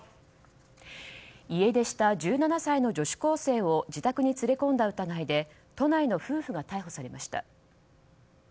家出した１７歳の女子高生を自宅に連れ込んだ疑いで都内の夫婦が逮捕されました。